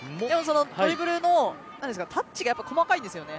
ドリブルのタッチが細かいんですよね。